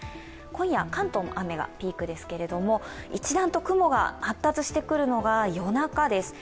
今夜、関東も雨がピークですけれども、一段と雲が発達してくるのが夜中です。